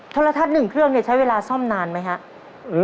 โทรทัศน์๑เครื่องใช้เวลาซ่อมนานไหมครับ